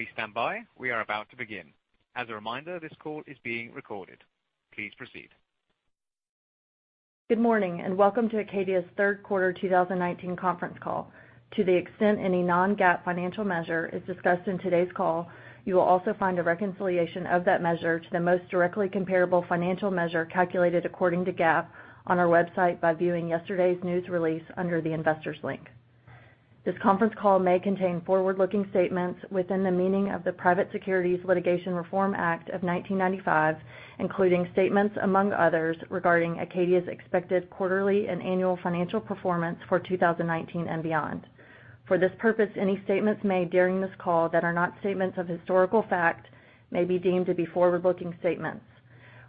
Please stand by. We are about to begin. As a reminder, this call is being recorded. Please proceed. Good morning, and welcome to Acadia's third quarter 2019 conference call. To the extent any non-GAAP financial measure is discussed in today's call, you will also find a reconciliation of that measure to the most directly comparable financial measure calculated according to GAAP on our website by viewing yesterday's news release under the Investors link. This conference call may contain forward-looking statements within the meaning of the Private Securities Litigation Reform Act of 1995, including statements among others, regarding Acadia's expected quarterly and annual financial performance for 2019 and beyond. For this purpose, any statements made during this call that are not statements of historical fact may be deemed to be forward-looking statements.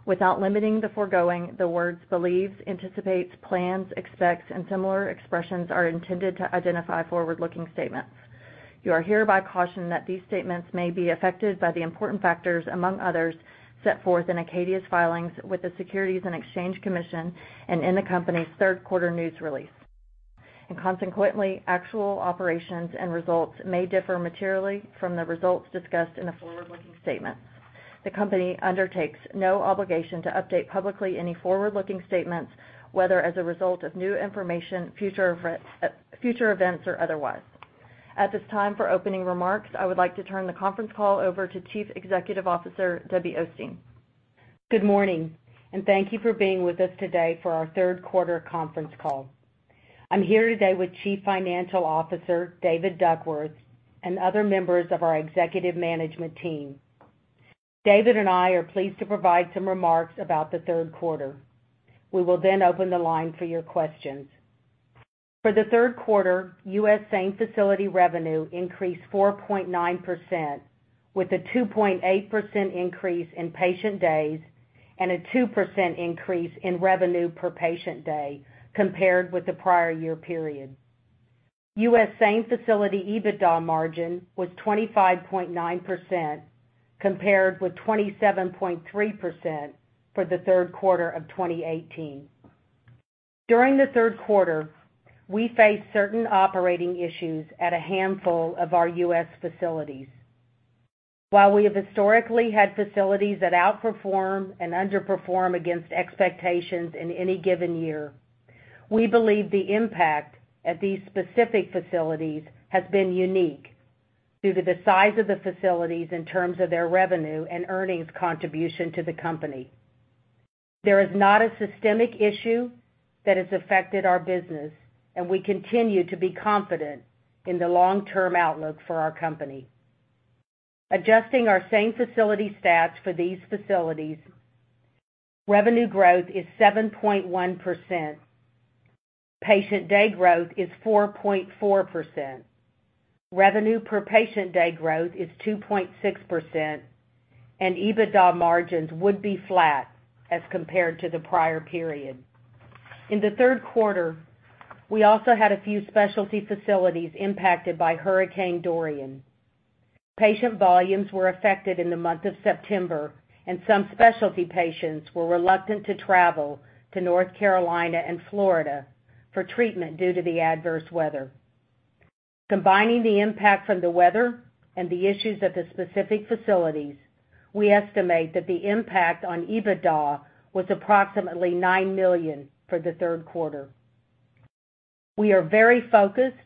Without limiting the foregoing, the words believes, anticipates, plans, expects, and similar expressions are intended to identify forward-looking statements. You are hereby cautioned that these statements may be affected by the important factors, among others, set forth in Acadia's filings with the Securities and Exchange Commission and in the company's third quarter news release. Consequently, actual operations and results may differ materially from the results discussed in the forward-looking statements. The company undertakes no obligation to update publicly any forward-looking statements, whether as a result of new information, future events, or otherwise. At this time, for opening remarks, I would like to turn the conference call over to Chief Executive Officer, Debbie Osteen. Good morning. Thank you for being with us today for our third quarter conference call. I'm here today with Chief Financial Officer, David Duckworth, and other members of our executive management team. David and I are pleased to provide some remarks about the third quarter. We will then open the line for your questions. For the third quarter, U.S. same facility revenue increased 4.9%, with a 2.8% increase in patient days and a 2% increase in revenue per patient day, compared with the prior year period. U.S. same facility EBITDA margin was 25.9%, compared with 27.3% for the third quarter of 2018. During the third quarter, we faced certain operating issues at a handful of our U.S. facilities. While we have historically had facilities that outperform and underperform against expectations in any given year, we believe the impact at these specific facilities has been unique due to the size of the facilities in terms of their revenue and earnings contribution to the company. There is not a systemic issue that has affected our business, and we continue to be confident in the long-term outlook for our company. Adjusting our same facility stats for these facilities, revenue growth is 7.1%, patient day growth is 4.4%, revenue per patient day growth is 2.6%, and EBITDA margins would be flat as compared to the prior period. In the third quarter, we also had a few specialty facilities impacted by Hurricane Dorian. Patient volumes were affected in the month of September, and some specialty patients were reluctant to travel to North Carolina and Florida for treatment due to the adverse weather. Combining the impact from the weather and the issues at the specific facilities, we estimate that the impact on EBITDA was approximately $9 million for the third quarter. We are very focused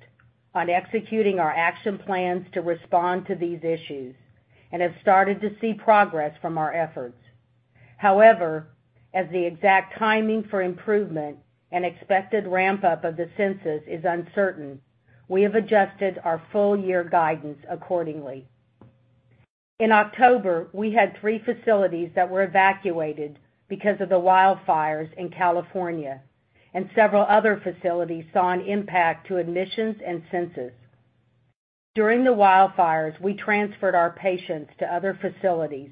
on executing our action plans to respond to these issues and have started to see progress from our efforts. However, as the exact timing for improvement and expected ramp-up of the census is uncertain, we have adjusted our full year guidance accordingly. In October, we had three facilities that were evacuated because of the wildfires in California, and several other facilities saw an impact to admissions and census. During the wildfires, we transferred our patients to other facilities,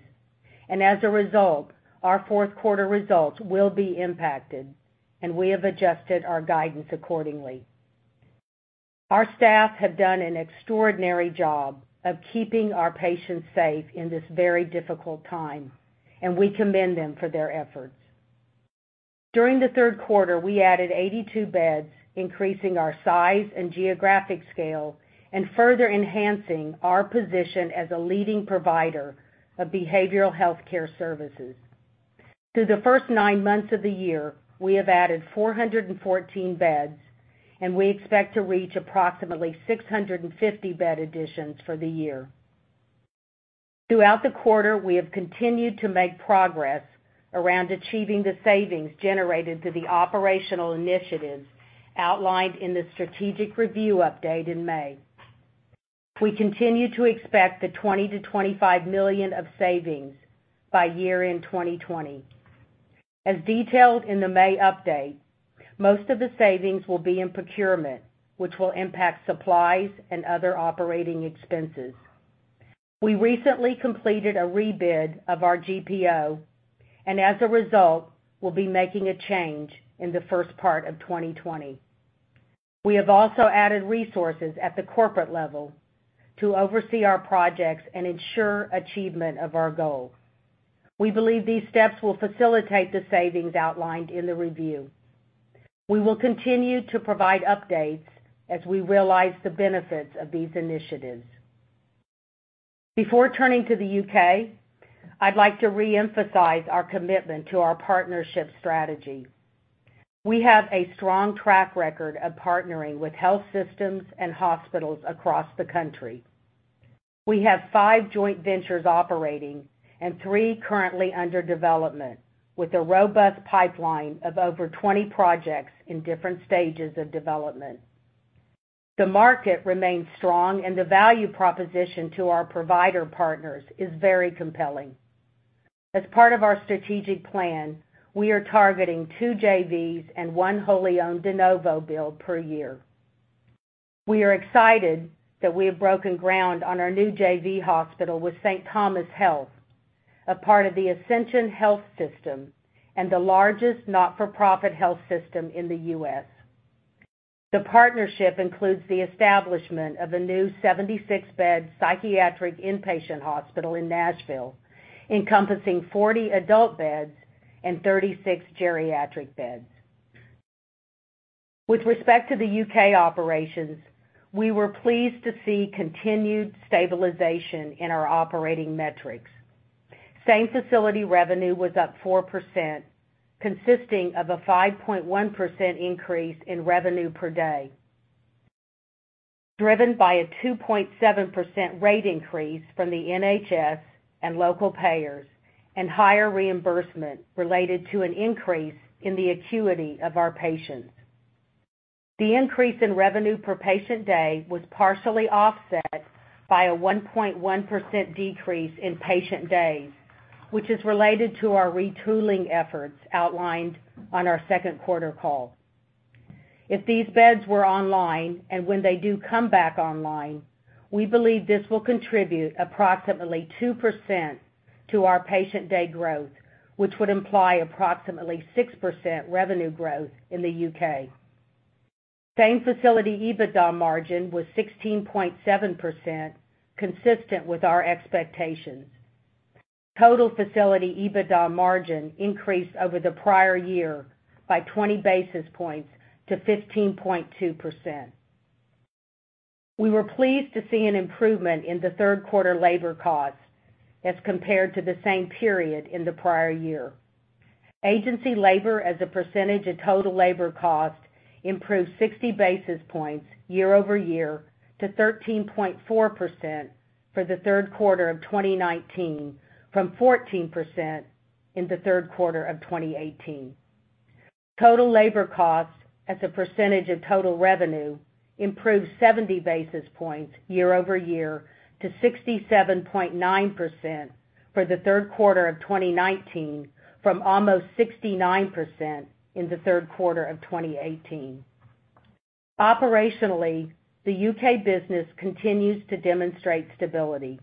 and as a result, our fourth quarter results will be impacted, and we have adjusted our guidance accordingly. Our staff have done an extraordinary job of keeping our patients safe in this very difficult time, and we commend them for their efforts. During the third quarter, we added 82 beds, increasing our size and geographic scale and further enhancing our position as a leading provider of behavioral healthcare services. Through the first nine months of the year, we have added 414 beds, and we expect to reach approximately 650 bed additions for the year. Throughout the quarter, we have continued to make progress around achieving the savings generated through the operational initiatives outlined in the strategic review update in May. We continue to expect the $20 million-$25 million of savings by year-end 2020. As detailed in the May update, most of the savings will be in procurement, which will impact supplies and other operating expenses. We recently completed a rebid of our GPO, and as a result, we'll be making a change in the first part of 2020. We have also added resources at the corporate level to oversee our projects and ensure achievement of our goal. We believe these steps will facilitate the savings outlined in the review. We will continue to provide updates as we realize the benefits of these initiatives. Before turning to the U.K., I'd like to reemphasize our commitment to our partnership strategy. We have a strong track record of partnering with health systems and hospitals across the country. We have five joint ventures operating and three currently under development, with a robust pipeline of over 20 projects in different stages of development. The market remains strong, and the value proposition to our provider partners is very compelling. As part of our strategic plan, we are targeting two JVs and one wholly owned de novo build per year. We are excited that we have broken ground on our new JV hospital with Saint Thomas Health, a part of the Ascension health system and the largest not-for-profit health system in the U.S. The partnership includes the establishment of a new 76-bed psychiatric inpatient hospital in Nashville, encompassing 40 adult beds and 36 geriatric beds. With respect to the U.K. operations, we were pleased to see continued stabilization in our operating metrics. Same-facility revenue was up 4%, consisting of a 5.1% increase in revenue per day, driven by a 2.7% rate increase from the NHS and local payers and higher reimbursement related to an increase in the acuity of our patients. The increase in revenue per patient day was partially offset by a 1.1% decrease in patient days, which is related to our retooling efforts outlined on our second quarter call. If these beds were online and when they do come back online, we believe this will contribute approximately 2% to our patient day growth, which would imply approximately 6% revenue growth in the U.K. Same-facility EBITDA margin was 16.7%, consistent with our expectations. Total facility EBITDA margin increased over the prior year by 20 basis points to 15.2%. We were pleased to see an improvement in the third quarter labor costs as compared to the same period in the prior year. Agency labor as a percentage of total labor cost improved 60 basis points year-over-year to 13.4% for the third quarter of 2019 from 14% in the third quarter of 2018. Total labor costs as a percentage of total revenue improved 70 basis points year-over-year to 67.9% for the third quarter of 2019 from almost 69% in the third quarter of 2018. Operationally, the U.K. business continues to demonstrate stability.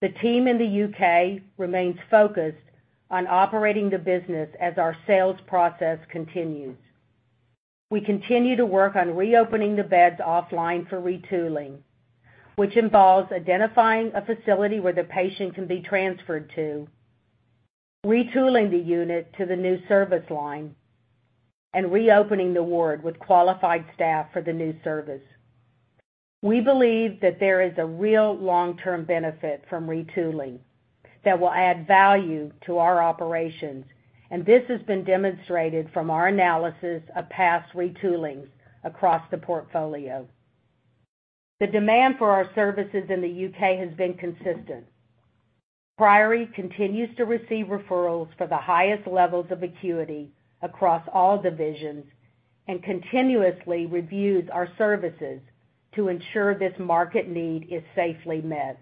The team in the U.K. remains focused on operating the business as our sales process continues. We continue to work on reopening the beds offline for retooling, which involves identifying a facility where the patient can be transferred to, retooling the unit to the new service line, and reopening the ward with qualified staff for the new service. We believe that there is a real long-term benefit from retooling that will add value to our operations, and this has been demonstrated from our analysis of past retoolings across the portfolio. The demand for our services in the U.K. has been consistent. Priory continues to receive referrals for the highest levels of acuity across all divisions and continuously reviews our services to ensure this market need is safely met.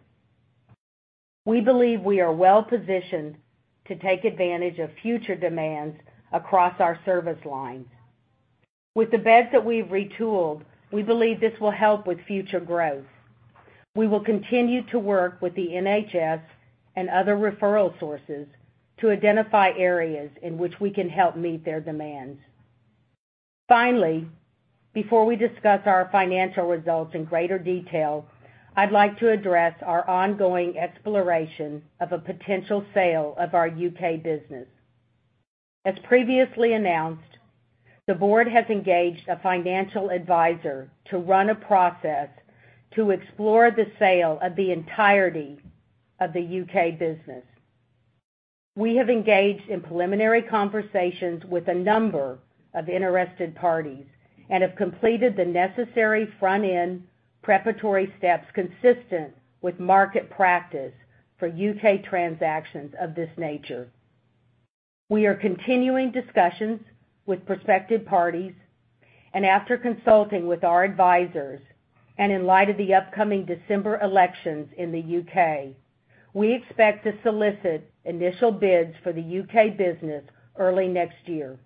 We believe we are well-positioned to take advantage of future demands across our service lines. With the beds that we've retooled, we believe this will help with future growth. We will continue to work with the NHS and other referral sources to identify areas in which we can help meet their demands. Finally, before we discuss our financial results in greater detail, I'd like to address our ongoing exploration of a potential sale of our U.K. business. As previously announced, the board has engaged a financial advisor to run a process to explore the sale of the entirety of the U.K. business. We have engaged in preliminary conversations with a number of interested parties and have completed the necessary front-end preparatory steps consistent with market practice for U.K. transactions of this nature. We are continuing discussions with prospective parties, and after consulting with our advisors and in light of the upcoming December elections in the U.K., we expect to solicit initial bids for the U.K. business early next year.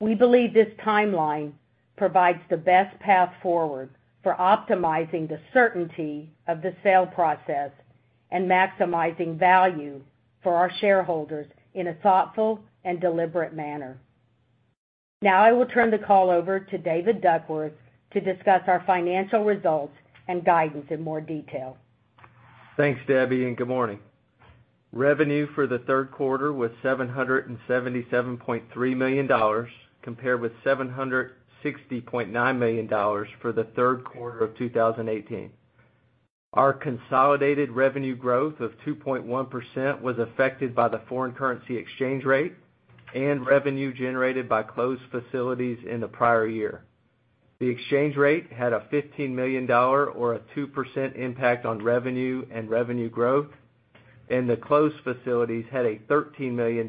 We believe this timeline provides the best path forward for optimizing the certainty of the sale process and maximizing value for our shareholders in a thoughtful and deliberate manner. Now I will turn the call over to David Duckworth to discuss our financial results and guidance in more detail. Thanks, Debbie, good morning. Revenue for the third quarter was $777.3 million, compared with $760.9 million for the third quarter of 2018. Our consolidated revenue growth of 2.1% was affected by the foreign currency exchange rate and revenue generated by closed facilities in the prior year. The exchange rate had a $15 million or a 2% impact on revenue and revenue growth, and the closed facilities had a $13 million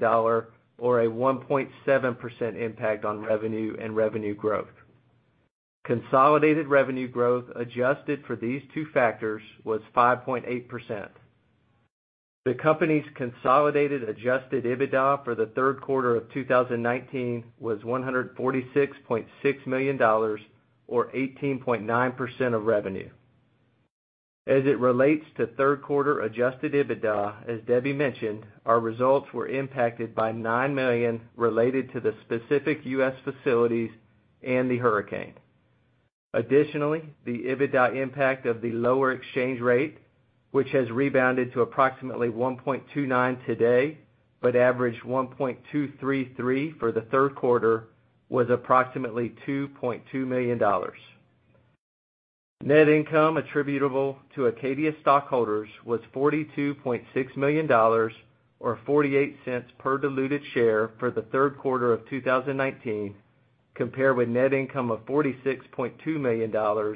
or a 1.7% impact on revenue and revenue growth. Consolidated revenue growth adjusted for these two factors was 5.8%. The company's consolidated adjusted EBITDA for the third quarter of 2019 was $146.6 million, or 18.9% of revenue. As it relates to third quarter adjusted EBITDA, as Debbie mentioned, our results were impacted by $9 million related to the specific U.S. facilities and the hurricane. Additionally, the EBITDA impact of the lower exchange rate, which has rebounded to approximately 1.29 today, but averaged 1.233 for the third quarter, was approximately $2.2 million. Net income attributable to Acadia stockholders was $42.6 million or $0.48 per diluted share for the third quarter of 2019, compared with net income of $46.2 million or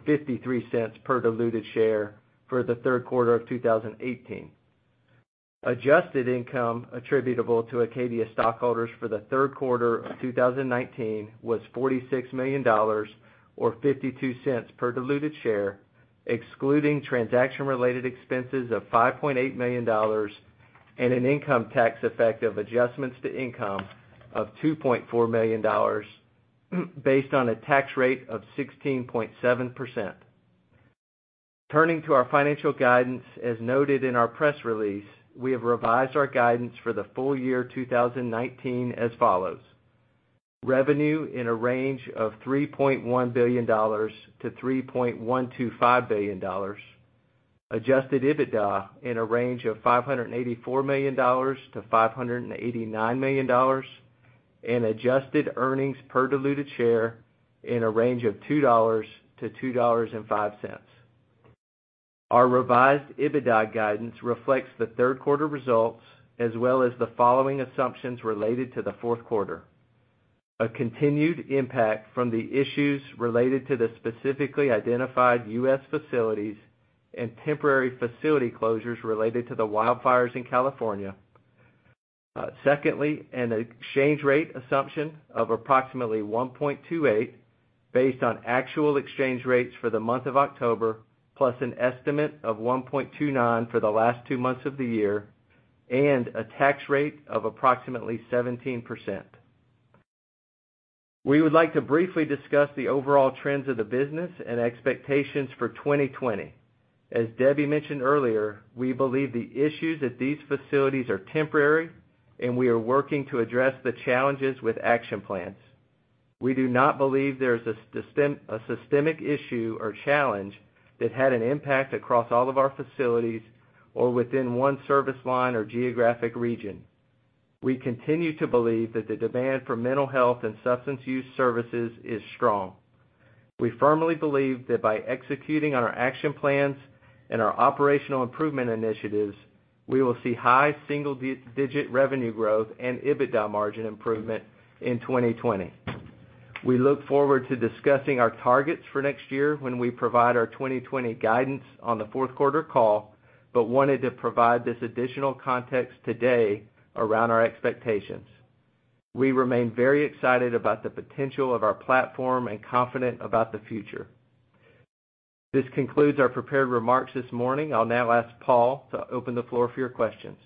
$0.53 per diluted share for the third quarter of 2018. Adjusted income attributable to Acadia stockholders for the third quarter of 2019 was $46 million or $0.52 per diluted share, excluding transaction-related expenses of $5.8 million and an income tax effect of adjustments to income of $2.4 million based on a tax rate of 16.7%. Turning to our financial guidance, as noted in our press release, we have revised our guidance for the full year 2019 as follows: Revenue in a range of $3.1 billion to $3.125 billion, adjusted EBITDA in a range of $584 million to $589 million, and adjusted earnings per diluted share in a range of $2 to $2.05. Our revised EBITDA guidance reflects the third quarter results, as well as the following assumptions related to the fourth quarter: A continued impact from the issues related to the specifically identified U.S. facilities and temporary facility closures related to the wildfires in California. Secondly, an exchange rate assumption of approximately 1.28 based on actual exchange rates for the month of October, plus an estimate of 1.29 for the last two months of the year, and a tax rate of approximately 17%. We would like to briefly discuss the overall trends of the business and expectations for 2020. As Debbie mentioned earlier, we believe the issues at these facilities are temporary, and we are working to address the challenges with action plans. We do not believe there is a systemic issue or challenge that had an impact across all of our facilities or within one service line or geographic region. We continue to believe that the demand for mental health and substance use services is strong. We firmly believe that by executing on our action plans and our operational improvement initiatives, we will see high single-digit revenue growth and EBITDA margin improvement in 2020. We look forward to discussing our targets for next year when we provide our 2020 guidance on the fourth quarter call, but wanted to provide this additional context today around our expectations. We remain very excited about the potential of our platform and confident about the future. This concludes our prepared remarks this morning. I'll now ask Paul to open the floor for your questions.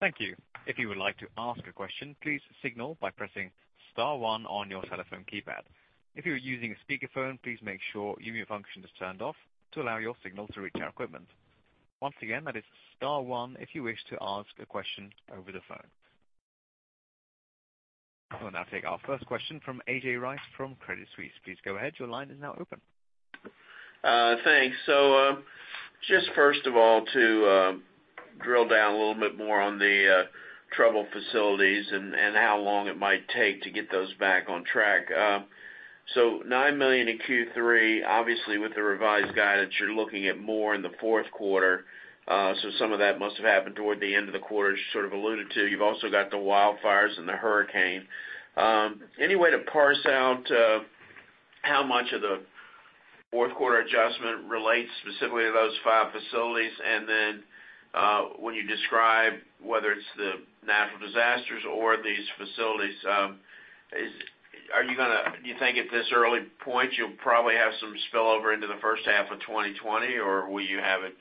Thank you. If you would like to ask a question, please signal by pressing *1 on your telephone keypad. If you're using a speakerphone, please make sure mute function is turned off to allow your signal to reach our equipment. Once again, that is *1 if you wish to ask a question over the phone. I will now take our first question from A.J. Rice from Credit Suisse. Please go ahead. Your line is now open. Thanks. Just first of all, to drill down a little bit more on the trouble facilities and how long it might take to get those back on track. $9 million in Q3, obviously, with the revised guidance, you're looking at more in the fourth quarter. Some of that must have happened toward the end of the quarter, as you sort of alluded to. You've also got the wildfires and the hurricane. Any way to parse out how much of the fourth quarter adjustment relates specifically to those five facilities? When you describe whether it's the natural disasters or these facilities, do you think at this early point you'll probably have some spillover into the first half of 2020, or will you have it,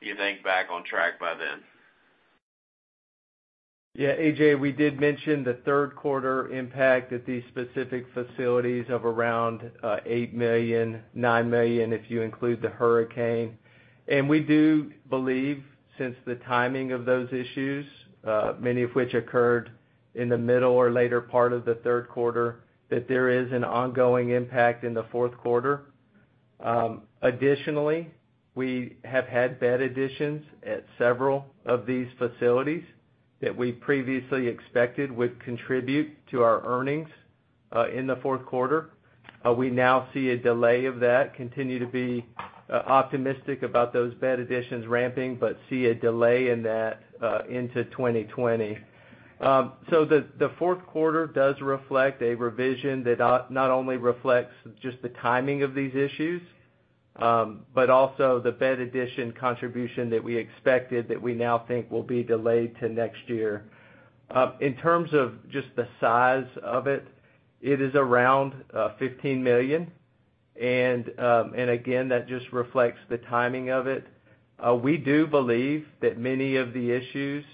do you think, back on track by then? Yeah, A.J., we did mention the third quarter impact at these specific facilities of around $8 million, $9 million if you include the hurricane. We do believe, since the timing of those issues, many of which occurred in the middle or later part of the third quarter, that there is an ongoing impact in the fourth quarter. Additionally, we have had bed additions at several of these facilities that we previously expected would contribute to our earnings in the fourth quarter. We now see a delay of that, continue to be optimistic about those bed additions ramping, but see a delay in that into 2020. The fourth quarter does reflect a revision that not only reflects just the timing of these issues, but also the bed addition contribution that we expected that we now think will be delayed to next year. In terms of just the size of it is around $15 million, and again, that just reflects the timing of it. We do believe that many of the issues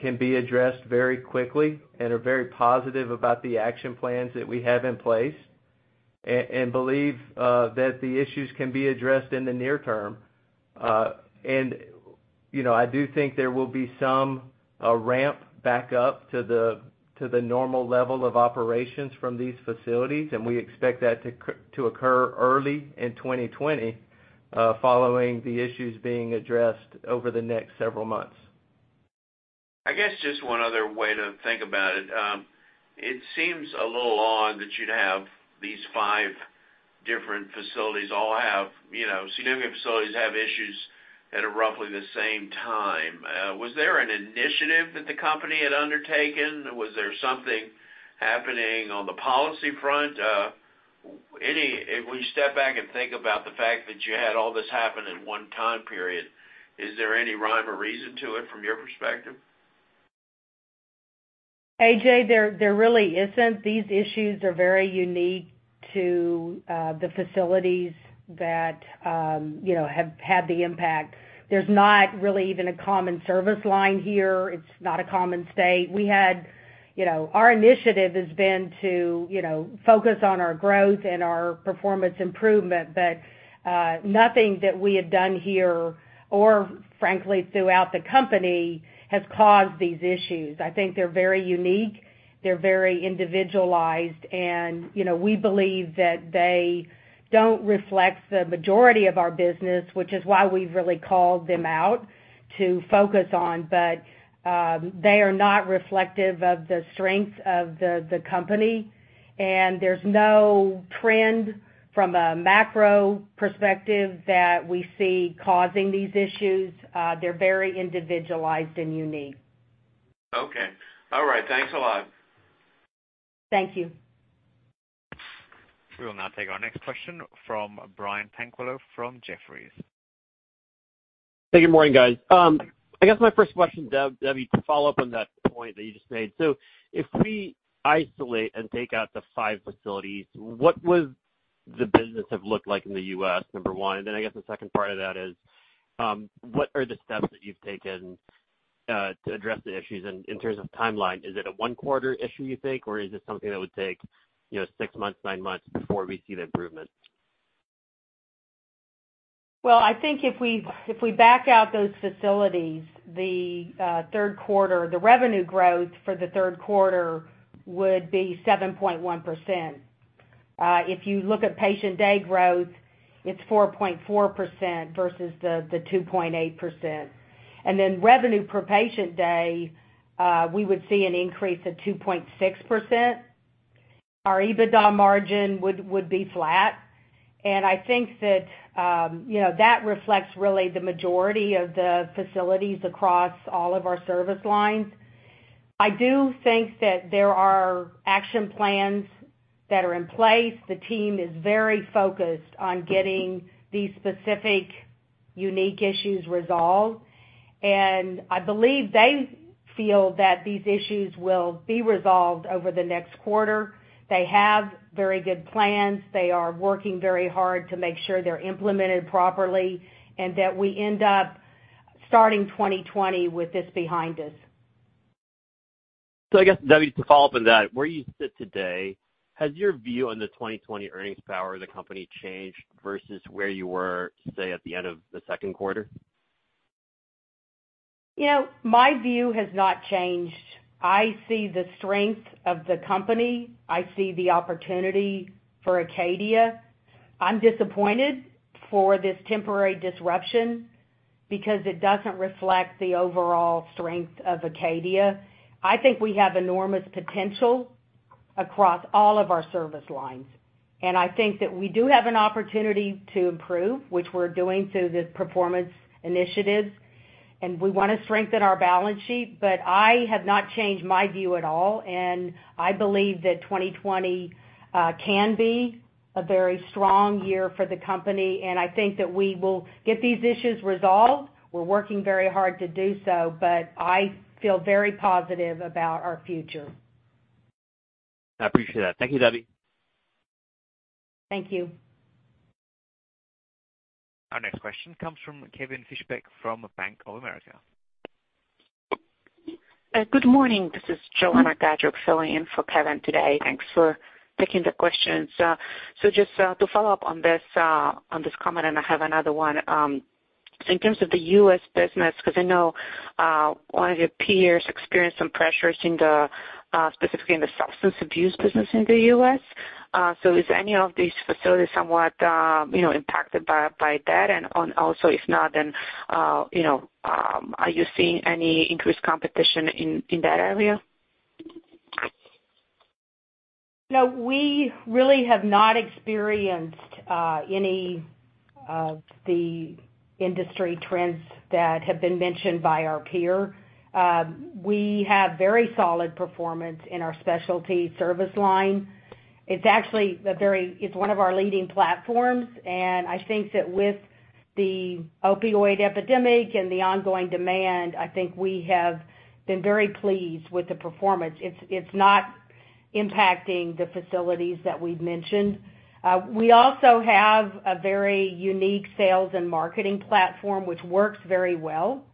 can be addressed very quickly and are very positive about the action plans that we have in place and believe that the issues can be addressed in the near term. I do think there will be some ramp back up to the normal level of operations from these facilities, and we expect that to occur early in 2020, following the issues being addressed over the next several months. I guess just one other way to think about it. It seems a little odd that you'd have these five different facilities all have, significant facilities have issues at roughly the same time. Was there an initiative that the company had undertaken? Was there something happening on the policy front? If we step back and think about the fact that you had all this happen in one time period, is there any rhyme or reason to it from your perspective? A.J., there really isn't. These issues are very unique to the facilities that have had the impact. There's not really even a common service line here. It's not a common state. Our initiative has been to focus on our growth and our performance improvement, but nothing that we had done here or frankly, throughout the company, has caused these issues. I think they're very unique. They're very individualized, and we believe that they don't reflect the majority of our business, which is why we've really called them out to focus on. They are not reflective of the strength of the company, and there's no trend from a macro perspective that we see causing these issues. They're very individualized and unique. Okay. All right. Thanks a lot. Thank you. We will now take our next question from Brian Tanquilut from Jefferies. Good morning, guys. I guess my first question, Deb, to follow up on that point that you just made. If we isolate and take out the five facilities, what would the business have looked like in the U.S., number one? I guess the second part of that is, what are the steps that you've taken to address the issues in terms of timeline? Is it a one-quarter issue you think, or is this something that would take six months, nine months before we see the improvement? I think if we back out those facilities, the revenue growth for the third quarter would be 7.1%. If you look at patient day growth, it's 4.4% versus the 2.8%. Revenue per patient day, we would see an increase of 2.6%. Our EBITDA margin would be flat, and I think that reflects really the majority of the facilities across all of our service lines. I do think that there are action plans that are in place. The team is very focused on getting these specific, unique issues resolved, and I believe they feel that these issues will be resolved over the next quarter. They have very good plans. They are working very hard to make sure they're implemented properly, and that we end up starting 2020 with this behind us. I guess, Debbie, to follow up on that, where you sit today, has your view on the 2020 earnings power of the company changed versus where you were, say, at the end of the second quarter? My view has not changed. I see the strength of the company. I see the opportunity for Acadia. I'm disappointed for this temporary disruption because it doesn't reflect the overall strength of Acadia. I think we have enormous potential across all of our service lines, and I think that we do have an opportunity to improve, which we're doing through the performance initiatives, and we want to strengthen our balance sheet. I have not changed my view at all, and I believe that 2020 can be a very strong year for the company, and I think that we will get these issues resolved. We're working very hard to do so, I feel very positive about our future. I appreciate that. Thank you, Debbie. Thank you. Our next question comes from Kevin Fischbeck from Bank of America. Good morning. This is Joanna Gajuk filling in for Kevin today. Thanks for taking the questions. Just to follow up on this comment, and I have another one. In terms of the U.S. business, because I know one of your peers experienced some pressures, specifically in the substance abuse business in the U.S. Is any of these facilities somewhat impacted by that? If not, then are you seeing any increased competition in that area? No, we really have not experienced any of the industry trends that have been mentioned by our peer. We have very solid performance in our specialty service line. It's actually one of our leading platforms, and I think that with the opioid epidemic and the ongoing demand, I think we have been very pleased with the performance. It's not impacting the facilities that we've mentioned. We also have a very unique sales and marketing platform, which works very well.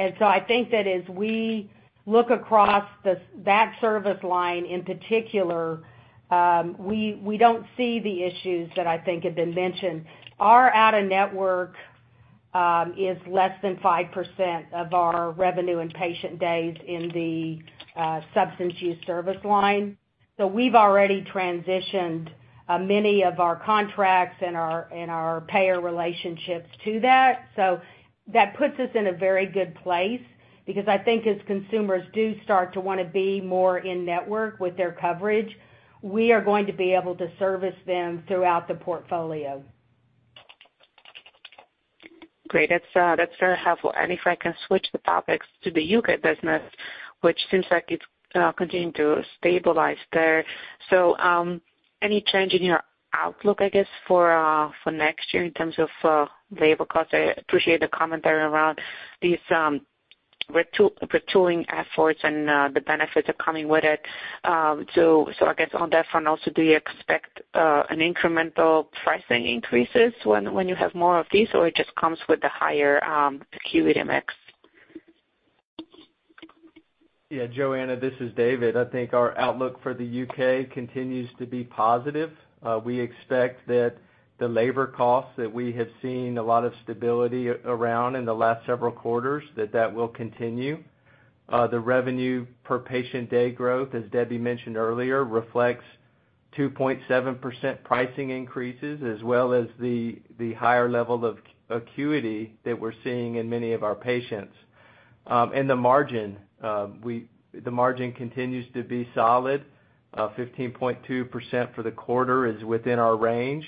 I think that as we look across that service line in particular, we don't see the issues that I think have been mentioned. Our out-of-network is less than 5% of our revenue and patient days in the substance use service line. We've already transitioned many of our contracts and our payer relationships to that. That puts us in a very good place, because I think as consumers do start to want to be more in-network with their coverage, we are going to be able to service them throughout the portfolio. Great. That's very helpful. If I can switch the topics to the U.K. business, which seems like it's continuing to stabilize there. Any change in your outlook, I guess, for next year in terms of labor costs? I appreciate the commentary around these retooling efforts and the benefits are coming with it. I guess on that front also, do you expect an incremental pricing increases when you have more of these, or it just comes with the higher acuity mix? Yeah, Joanna, this is David. I think our outlook for the U.K. continues to be positive. We expect that the labor costs that we have seen a lot of stability around in the last several quarters, that that will continue. The revenue per patient day growth, as Debbie mentioned earlier, reflects 2.7% pricing increases, as well as the higher level of acuity that we're seeing in many of our patients. The margin continues to be solid. 15.2% for the quarter is within our range.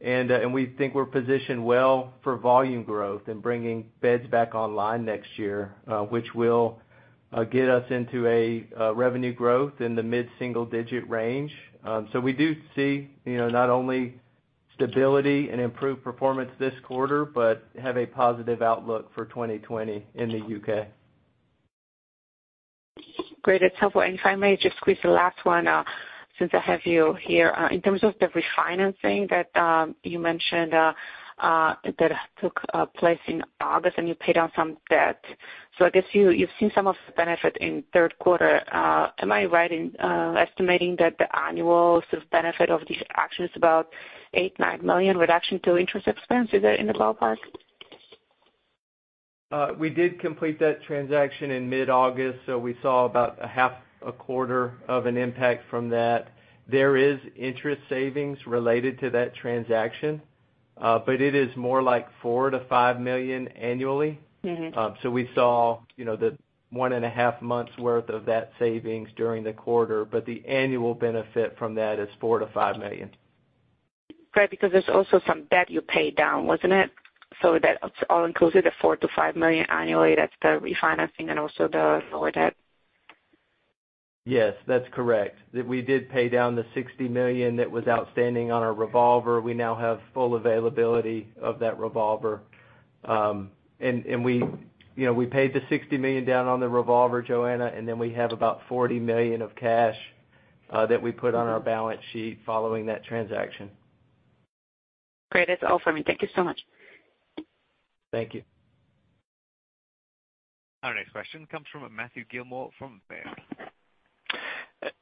We think we're positioned well for volume growth and bringing beds back online next year, which will get us into a revenue growth in the mid-single-digit range. We do see not only stability and improved performance this quarter, but have a positive outlook for 2020 in the U.K. Great. That's helpful. If I may just squeeze the last one, since I have you here. In terms of the refinancing that you mentioned that took place in August, and you paid down some debt. I guess you've seen some of the benefit in third quarter. Am I right in estimating that the annual benefit of these actions, about $8 million-$9 million reduction to interest expense? Is that in the ballpark? We did complete that transaction in mid-August, so we saw about a half a quarter of an impact from that. There is interest savings related to that transaction, but it is more like $4 million-$5 million annually. We saw the one and a half months' worth of that savings during the quarter, but the annual benefit from that is $4 million-$5 million. Right, because there's also some debt you paid down, wasn't it? That all included the $4 million-$5 million annually, that's the refinancing and also the lower debt. Yes, that's correct. We did pay down the $60 million that was outstanding on our revolver. We now have full availability of that revolver. We paid the $60 million down on the revolver, Joanna, and then we have about $40 million of cash that we put on our balance sheet following that transaction. Great. That's all for me. Thank you so much. Thank you. Our next question comes from Matthew Gillmor from Baird.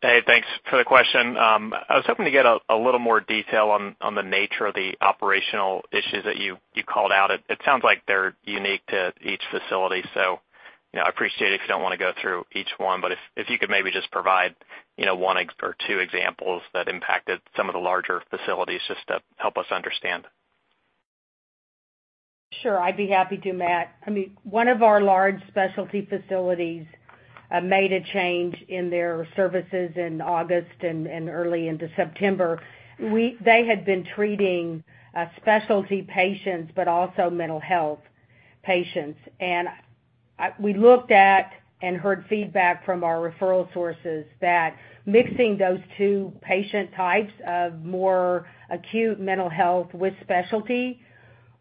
Hey, thanks for the question. I was hoping to get a little more detail on the nature of the operational issues that you called out. It sounds like they're unique to each facility. I appreciate if you don't want to go through each one, but if you could maybe just provide one or two examples that impacted some of the larger facilities, just to help us understand. Sure. I'd be happy to, Matt. One of our large specialty facilities made a change in their services in August and early into September. They had been treating specialty patients, but also mental health patients. We looked at and heard feedback from our referral sources that mixing those two patient types of more acute mental health with specialty,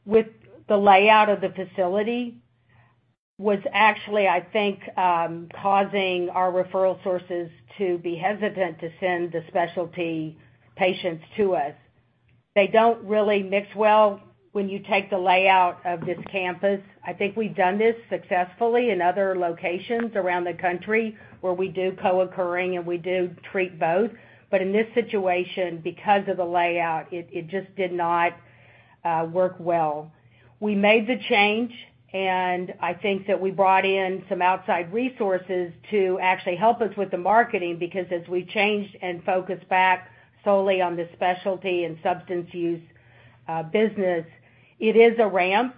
with the layout of the facility, was actually, I think, causing our referral sources to be hesitant to send the specialty patients to us. They don't really mix well when you take the layout of this campus. I think we've done this successfully in other locations around the country where we do co-occurring, and we do treat both. In this situation, because of the layout, it just did not work well. We made the change, and I think that we brought in some outside resources to actually help us with the marketing, because as we changed and focused back solely on the specialty and substance use business, it is a ramp.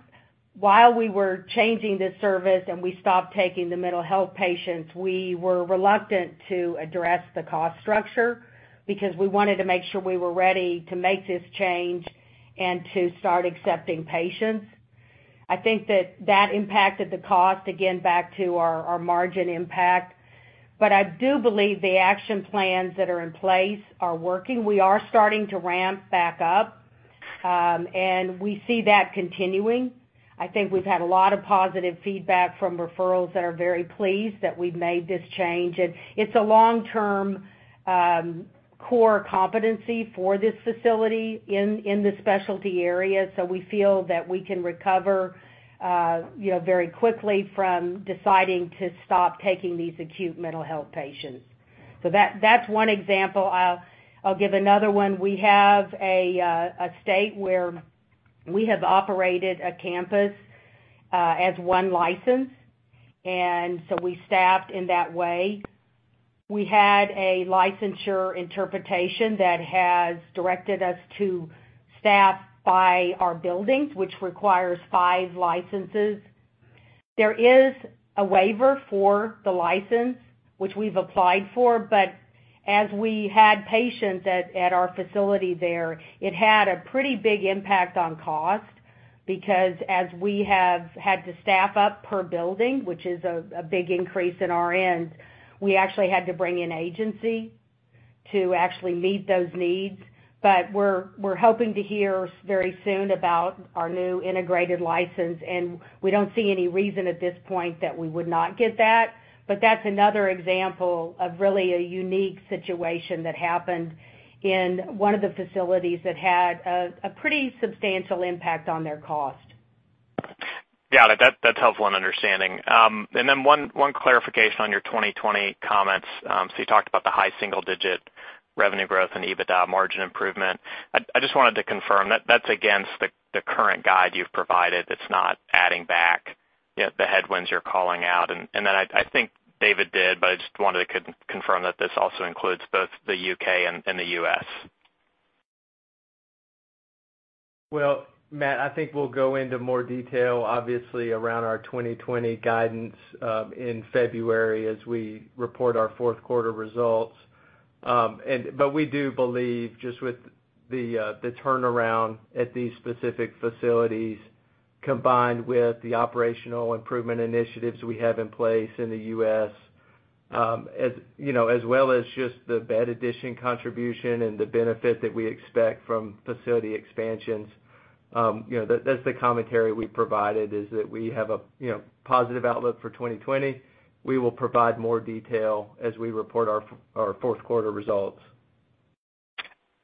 While we were changing the service and we stopped taking the mental health patients, we were reluctant to address the cost structure because we wanted to make sure we were ready to make this change and to start accepting patients. I think that impacted the cost, again, back to our margin impact. I do believe the action plans that are in place are working. We are starting to ramp back up, and we see that continuing. I think we've had a lot of positive feedback from referrals that are very pleased that we've made this change, and it's a long-term, core competency for this facility in the specialty area. We feel that we can recover very quickly from deciding to stop taking these acute mental health patients. That's one example. I'll give another one. We have a state where we have operated a campus as one license. We staffed in that way. We had a licensure interpretation that has directed us to staff by our buildings, which requires 5 licenses. There is a waiver for the license, which we've applied for, as we had patients at our facility there, it had a pretty big impact on cost, because as we have had to staff up per building, which is a big increase in our end, we actually had to bring in agency to actually meet those needs. We're hoping to hear very soon about our new integrated license, and we don't see any reason at this point that we would not get that. That's another example of really a unique situation that happened in one of the facilities that had a pretty substantial impact on their cost. Yeah, that helps with understanding. Then one clarification on your 2020 comments. You talked about the high single-digit revenue growth and EBITDA margin improvement. I just wanted to confirm, that's against the current guide you've provided. It's not adding back yet the headwinds you're calling out. And then I think David did, but I just wanted to confirm that this also includes both the U.K. and the U.S. Well, Matt, I think we'll go into more detail, obviously, around our 2020 guidance in February as we report our fourth quarter results. We do believe just with the turnaround at these specific facilities, combined with the operational improvement initiatives we have in place in the U.S., as well as just the bed addition contribution and the benefit that we expect from facility expansions. That's the commentary we provided, is that we have a positive outlook for 2020. We will provide more detail as we report our fourth quarter results.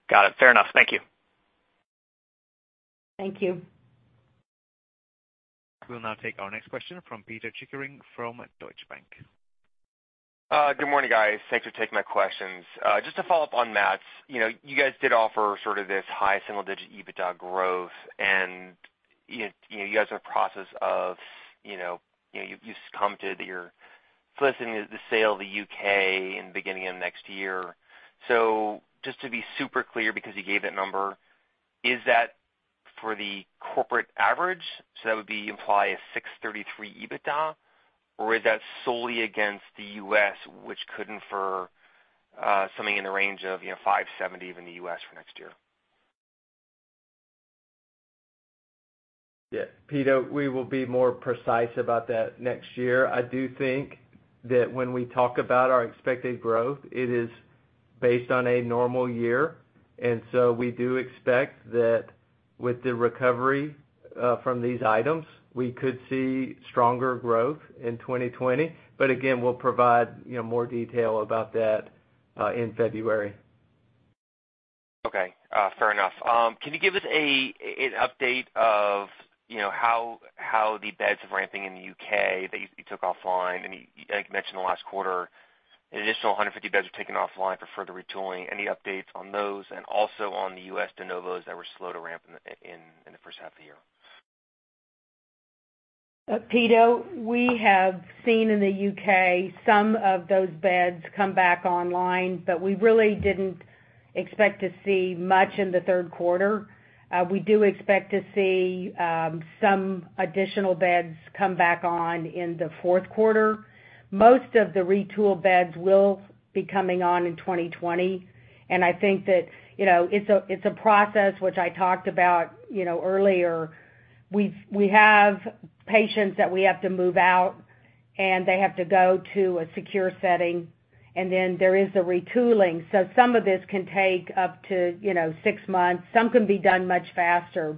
Got it. Fair enough. Thank you. Thank you. We'll now take our next question from Pito Chickering from Deutsche Bank. Good morning, guys. Thanks for taking my questions. Just to follow up on Matt's. You guys did offer sort of this high single-digit EBITDA growth, and you guys are in the process of, you've commented that you're soliciting the sale of the U.K. in the beginning of next year. Just to be super clear, because you gave that number, is that for the corporate average? That would imply a $633 EBITDA, or is that solely against the U.S., which could infer something in the range of $570 in the U.S. for next year? Pito, we will be more precise about that next year. I do think that when we talk about our expected growth, it is based on a normal year, we do expect that with the recovery from these items, we could see stronger growth in 2020. Again, we'll provide more detail about that in February. Okay. Fair enough. Can you give us an update of how the beds are ramping in the U.K. that you took offline? I think you mentioned in the last quarter, an additional 150 beds were taken offline for further retooling. Any updates on those and also on the U.S. de novos that were slow to ramp in the first half of the year? Pito Chickering, we have seen in the U.K. some of those beds come back online, we really didn't expect to see much in the third quarter. We do expect to see some additional beds come back on in the fourth quarter. Most of the retool beds will be coming on in 2020, and I think that it's a process which I talked about earlier. We have patients that we have to move out, and they have to go to a secure setting, and then there is the retooling. Some of this can take up to six months. Some can be done much faster.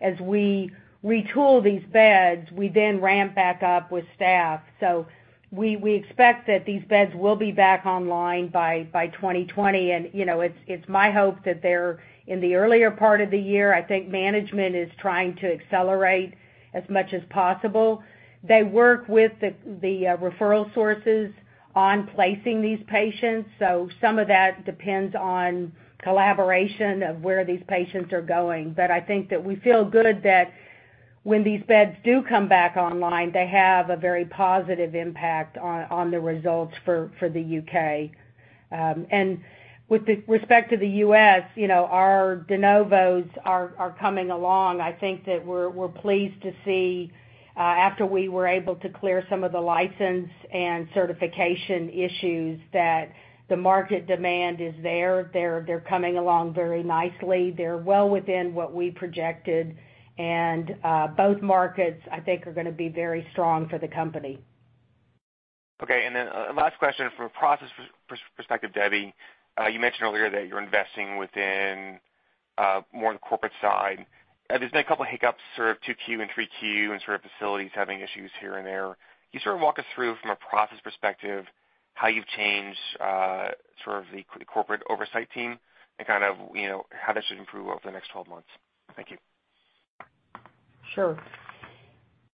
As we retool these beds, we then ramp back up with staff. We expect that these beds will be back online by 2020, and it's my hope that they're in the earlier part of the year. I think management is trying to accelerate as much as possible. They work with the referral sources on placing these patients, so some of that depends on collaboration of where these patients are going. I think that we feel good that when these beds do come back online, they have a very positive impact on the results for the U.K. With respect to the U.S., our de novos are coming along. I think that we're pleased to see, after we were able to clear some of the license and certification issues, that the market demand is there. They're coming along very nicely. They're well within what we projected. Both markets, I think, are going to be very strong for the company. Okay. Last question from a process perspective, Debbie, you mentioned earlier that you're investing within more on the corporate side. There's been a couple hiccups sort of 2Q and 3Q and sort of facilities having issues here and there. Can you sort of walk us through from a process perspective, how you've changed sort of the corporate oversight team and kind of how that should improve over the next 12 months? Thank you. Sure.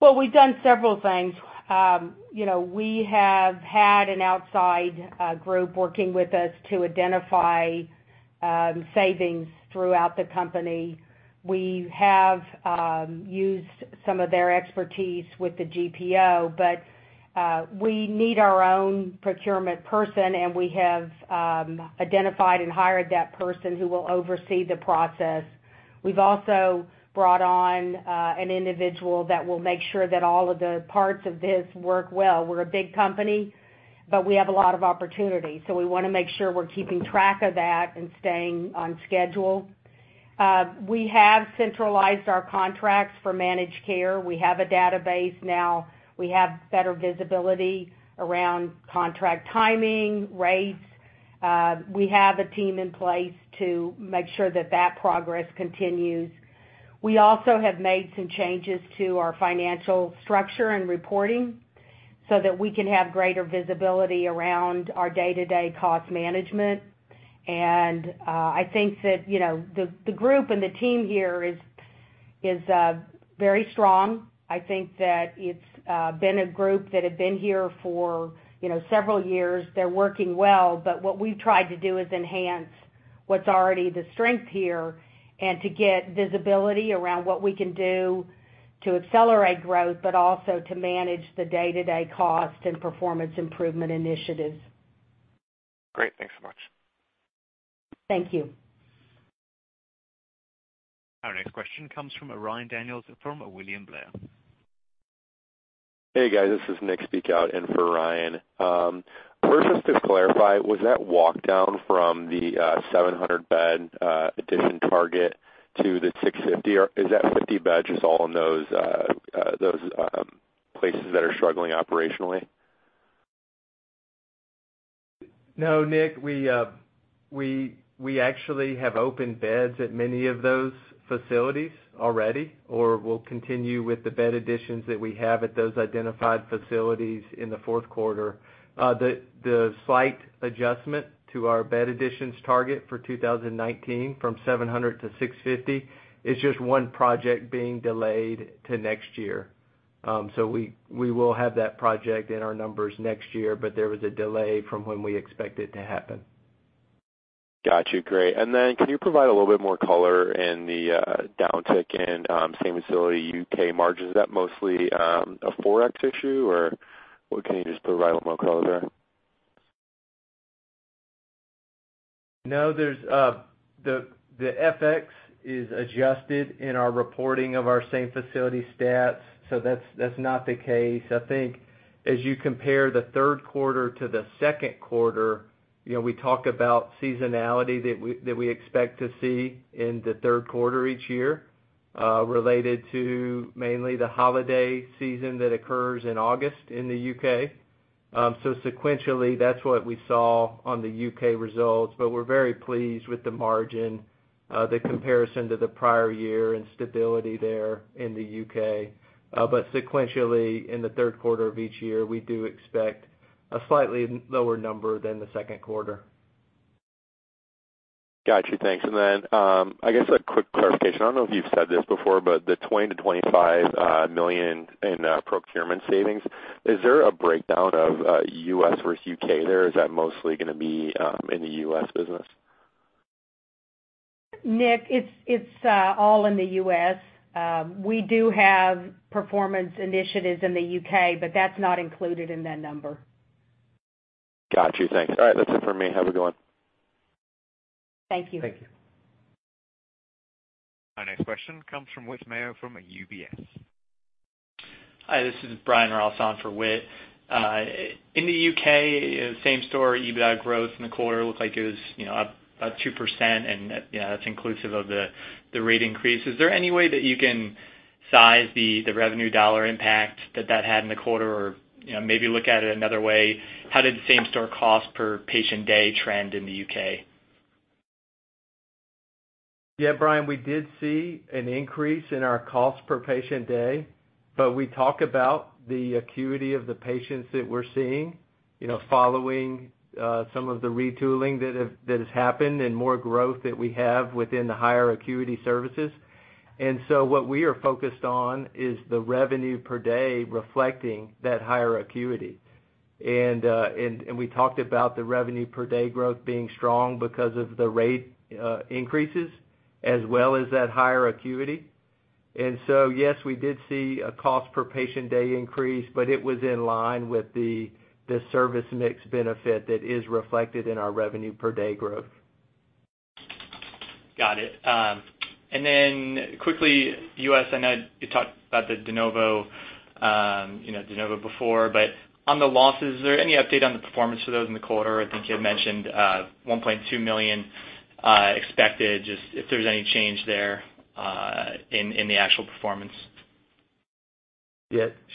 Well, we've done several things. We have had an outside group working with us to identify savings throughout the company. We have used some of their expertise with the GPO, but we need our own procurement person, and we have identified and hired that person who will oversee the process. We've also brought on an individual that will make sure that all of the parts of this work well. We're a big company, but we have a lot of opportunity, so we want to make sure we're keeping track of that and staying on schedule. We have centralized our contracts for managed care. We have a database now. We have better visibility around contract timing, rates. We have a team in place to make sure that that progress continues. We also have made some changes to our financial structure and reporting so that we can have greater visibility around our day-to-day cost management. I think that the group and the team here is very strong. I think that it's been a group that had been here for several years. They're working well. What we've tried to do is enhance what's already the strength here and to get visibility around what we can do to accelerate growth, but also to manage the day-to-day cost and performance improvement initiatives. Great. Thanks so much. Thank you. Our next question comes from Ryan Daniels from William Blair. Hey, guys, this is Nick speaking out in for Ryan. First, just to clarify, was that walk down from the 700 bed addition target to the 650, or is that 50 bed just all in those places that are struggling operationally? No, Nick, we actually have opened beds at many of those facilities already, or we'll continue with the bed additions that we have at those identified facilities in the fourth quarter. The slight adjustment to our bed additions target for 2019 from 700 to 650 is just one project being delayed to next year. We will have that project in our numbers next year, but there was a delay from when we expect it to happen. Got you. Great. Can you provide a little bit more color in the downtick in same facility U.K. margins? Is that mostly a Forex issue, or can you just provide a little more color there? The FX is adjusted in our reporting of our same facility stats, so that's not the case. I think as you compare the third quarter to the second quarter, we talk about seasonality that we expect to see in the third quarter each year related to mainly the holiday season that occurs in August in the U.K. Sequentially, that's what we saw on the U.K. results, we're very pleased with the margin, the comparison to the prior year, and stability there in the U.K. Sequentially, in the third quarter of each year, we do expect a slightly lower number than the second quarter. Got you. Thanks. I guess a quick clarification. I don't know if you've said this before, but the $20 million-$25 million in procurement savings, is there a breakdown of U.S. versus U.K. there? Is that mostly going to be in the U.S. business? Nick, it's all in the U.S. We do have performance initiatives in the U.K., but that's not included in that number. Got you. Thanks. All right, that's it for me. Have a good one. Thank you. Thank you. Our next question comes from Whit Mayo from UBS. Hi, this is Brian Ross on for Whit. In the U.K., same-store EBITDA growth in the quarter looked like it was up about 2%, and that's inclusive of the rate increase. Is there any way that you can size the revenue dollar impact that that had in the quarter? Or maybe look at it another way, how did same-store cost per patient day trend in the U.K.? Yeah, Brian, we did see an increase in our cost per patient day. We talk about the acuity of the patients that we're seeing following some of the retooling that has happened and more growth that we have within the higher acuity services. What we are focused on is the revenue per day reflecting that higher acuity. We talked about the revenue per day growth being strong because of the rate increases as well as that higher acuity. Yes, we did see a cost per patient day increase, but it was in line with the service mix benefit that is reflected in our revenue per day growth. Got it. Quickly, U.S., I know you talked about the de novo before, but on the losses, is there any update on the performance for those in the quarter? I think you had mentioned, $1.2 million expected, just if there's any change there in the actual performance.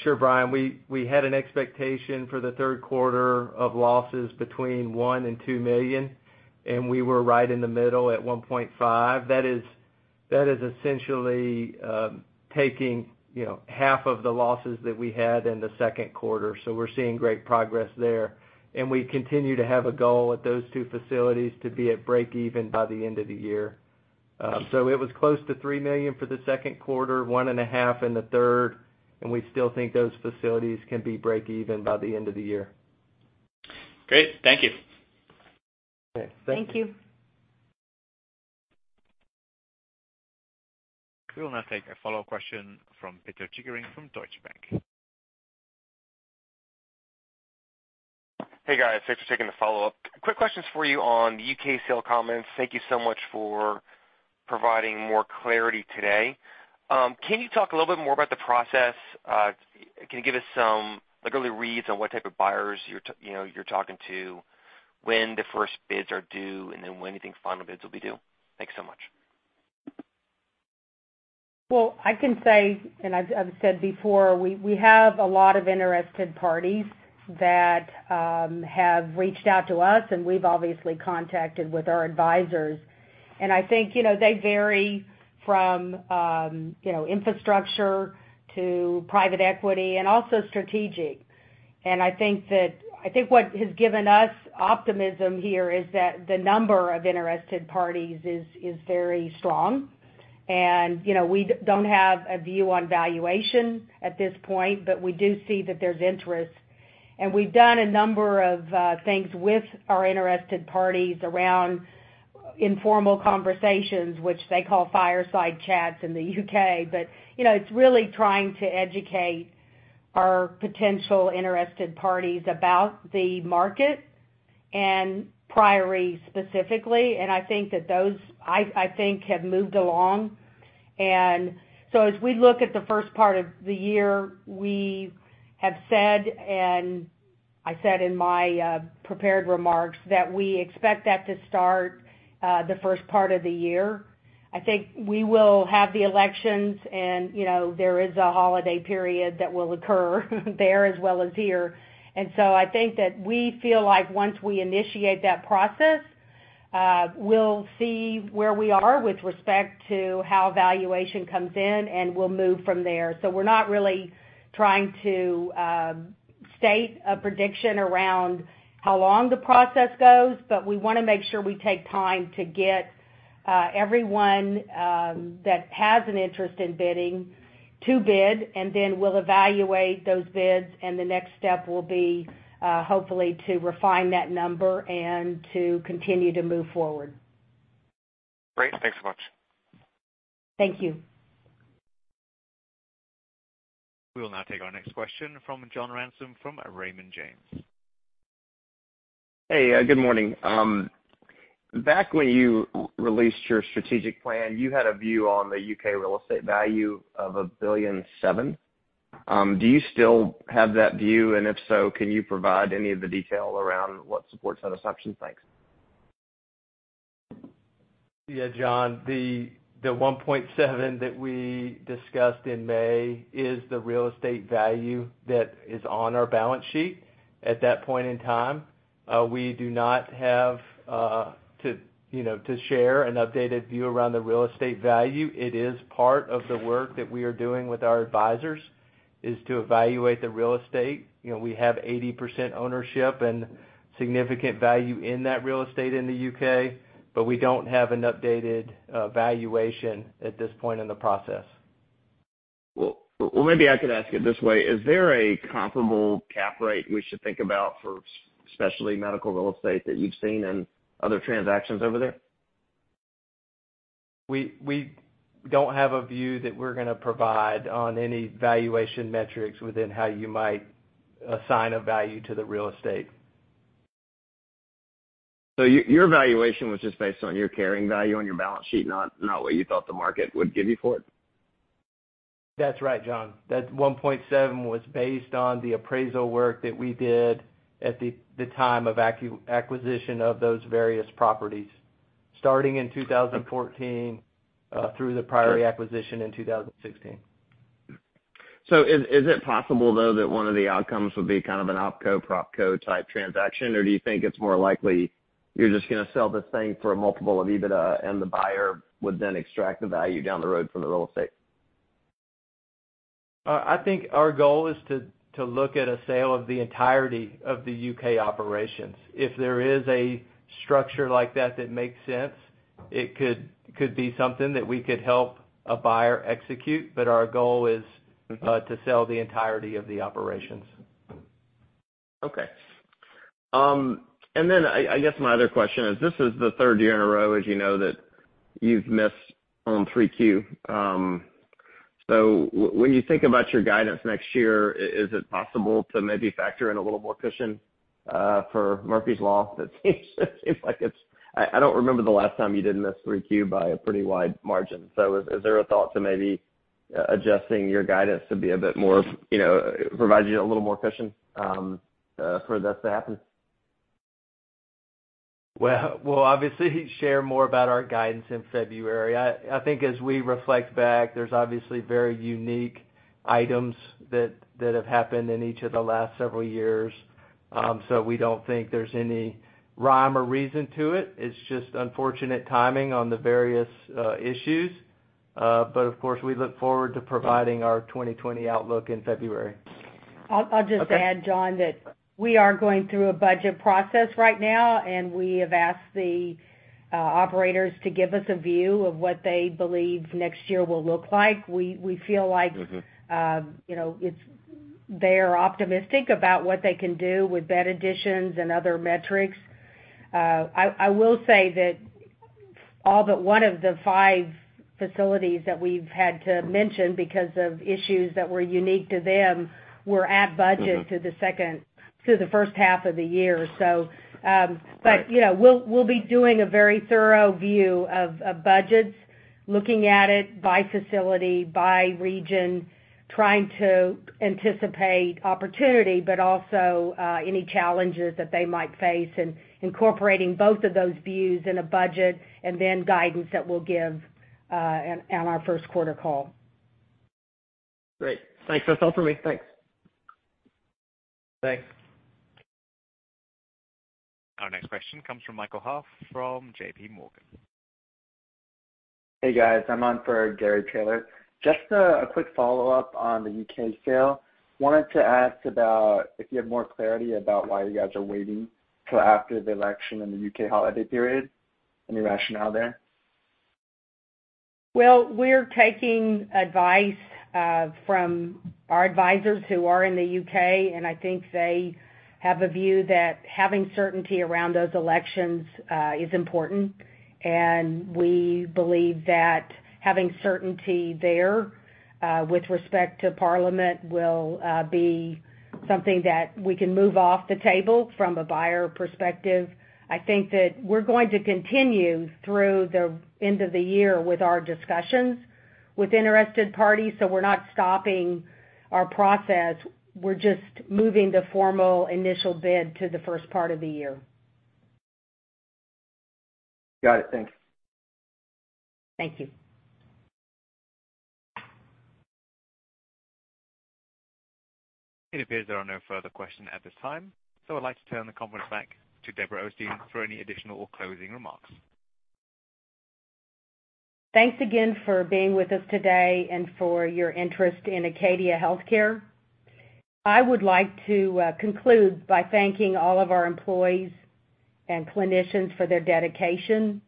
Sure, Brian, we had an expectation for the third quarter of losses between $1 and $2 million, and we were right in the middle at $1.5 million. That is essentially taking half of the losses that we had in the second quarter. We're seeing great progress there, and we continue to have a goal at those two facilities to be at breakeven by the end of the year. It was close to $3 million for the second quarter, one and a half in the third, and we still think those facilities can be breakeven by the end of the year. Great. Thank you. Okay. Thank you. Thank you. We will now take a follow question from Pito Chickering from Deutsche Bank. Hey, guys. Thanks for taking the follow-up. Quick questions for you on the U.K. sale comments. Thank you so much for providing more clarity today. Can you talk a little bit more about the process? Can you give us some early reads on what type of buyers you're talking to, when the first bids are due, and then when you think final bids will be due? Thanks so much. Well, I can say, and I've said before, we have a lot of interested parties that have reached out to us, and we've obviously contacted with our advisors. I think, they vary from infrastructure to private equity and also strategic. I think what has given us optimism here is that the number of interested parties is very strong. We don't have a view on valuation at this point, but we do see that there's interest. We've done a number of things with our interested parties around informal conversations, which they call fireside chats in the U.K. It's really trying to educate our potential interested parties about the market and Priory specifically, and I think that those have moved along. As we look at the first part of the year, we have said, and I said in my prepared remarks, that we expect that to start the first part of the year. I think we will have the elections, and there is a holiday period that will occur there as well as here. I think that we feel like once we initiate that process, we'll see where we are with respect to how valuation comes in, and we'll move from there. We're not really trying to state a prediction around how long the process goes, but we want to make sure we take time to get everyone that has an interest in bidding to bid, and then we'll evaluate those bids, and the next step will be, hopefully, to refine that number and to continue to move forward. Great. Thanks so much. Thank you. We will now take our next question from John Ransom from Raymond James. Hey, good morning. Back when you released your strategic plan, you had a view on the U.K. real estate value of $1.7 billion. Do you still have that view? If so, can you provide any of the detail around what supports that assumption? Thanks. Yeah, John, the $1.7 that we discussed in May is the real estate value that is on our balance sheet at that point in time. We do not have to share an updated view around the real estate value. It is part of the work that we are doing with our advisors is to evaluate the real estate. We have 80% ownership and significant value in that real estate in the U.K., but we don't have an updated valuation at this point in the process. Well, maybe I could ask it this way. Is there a comparable cap rate we should think about for specialty medical real estate that you've seen in other transactions over there? We don't have a view that we're going to provide on any valuation metrics within how you might assign a value to the real estate. Your valuation was just based on your carrying value on your balance sheet, not what you thought the market would give you for it? That's right, John. That $1.7 was based on the appraisal work that we did at the time of acquisition of those various properties starting in 2014 through the Priory acquisition in 2016. Is it possible, though, that one of the outcomes would be kind of an opco/propco type transaction, or do you think it's more likely you're just going to sell this thing for a multiple of EBITDA, and the buyer would then extract the value down the road from the real estate? I think our goal is to look at a sale of the entirety of the U.K. operations. If there is a structure like that that makes sense. It could be something that we could help a buyer execute, but our goal is to sell the entirety of the operations. Okay. I guess my other question is, this is the third year in a row, as you know, that you've missed on 3Q. When you think about your guidance next year, is it possible to maybe factor in a little more cushion for Murphy's Law? I don't remember the last time you didn't miss 3Q by a pretty wide margin. Is there a thought to maybe adjusting your guidance to be a bit more, provide you a little more cushion for this to happen? Well, obviously, share more about our guidance in February. I think as we reflect back, there's obviously very unique items that have happened in each of the last several years. We don't think there's any rhyme or reason to it. It's just unfortunate timing on the various issues. Of course, we look forward to providing our 2020 outlook in February. I'll just add, John, that we are going through a budget process right now, and we have asked the operators to give us a view of what they believe next year will look like. they are optimistic about what they can do with bed additions and other metrics. I will say that all but one of the five facilities that we've had to mention because of issues that were unique to them were at budget to the first half of the year. Right we'll be doing a very thorough view of budgets, looking at it by facility, by region, trying to anticipate opportunity, but also any challenges that they might face, and incorporating both of those views in a budget and then guidance that we'll give on our first quarter call. Great. Thanks. That's all for me. Thanks. Thanks. Our next question comes from Michael Hall from JPMorgan. Hey, guys. I'm on for Gary Taylor. Just a quick follow-up on the U.K. sale. Wanted to ask about if you have more clarity about why you guys are waiting till after the election and the U.K. holiday period. Any rationale there? We're taking advice from our advisors who are in the U.K., and I think they have a view that having certainty around those elections is important. We believe that having certainty there with respect to Parliament will be something that we can move off the table from a buyer perspective. I think that we're going to continue through the end of the year with our discussions with interested parties, so we're not stopping our process. We're just moving the formal initial bid to the first part of the year. Got it. Thanks. Thank you. It appears there are no further questions at this time, so I'd like to turn the conference back to Debbie Osteen for any additional or closing remarks. Thanks again for being with us today and for your interest in Acadia Healthcare. I would like to conclude by thanking all of our employees and clinicians for their dedication,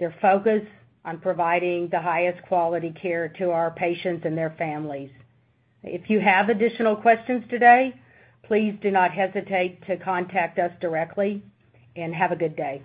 their focus on providing the highest quality care to our patients and their families. If you have additional questions today, please do not hesitate to contact us directly, and have a good day.